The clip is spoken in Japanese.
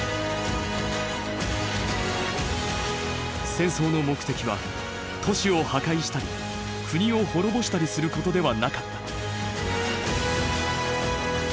戦争の目的は都市を破壊したり国を滅ぼしたりすることではなかった。